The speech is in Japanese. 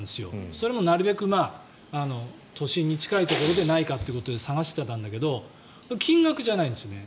それもなるべく都心に近いところでないかということで探していたんだけど金額じゃないんですよね。